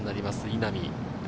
稲見。